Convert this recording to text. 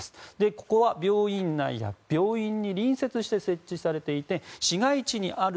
ここは病院内や病院に隣接して設置されていて市街地にある。